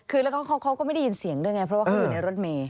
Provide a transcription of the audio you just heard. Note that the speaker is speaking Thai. คือแล้วเขาก็ไม่ได้ยินเสียงด้วยไงเพราะว่าเขาอยู่ในรถเมย์